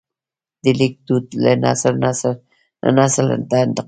د لیک دود له نسل نه نسل ته انتقال شو.